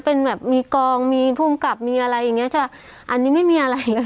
เป็นแบบมีกองมีภูมิกับมีอะไรอย่างเงี้จะอันนี้ไม่มีอะไร